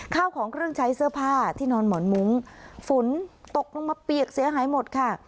ข้าวของเครื่องใช้เสื้อผ้าที่นอนหมอนมุ้งฝนตกลงมาเปียกเสียหายหมดค่ะ